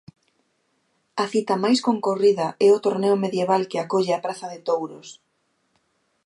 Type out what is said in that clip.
A cita máis concorrida é o torneo medieval que acolle a praza de touros.